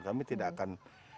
kami tidak akan